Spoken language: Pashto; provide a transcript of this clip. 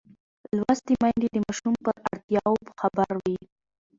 لوستې میندې د ماشوم پر اړتیاوو خبر وي.